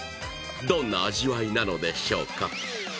どんな味わいなのでしょうか。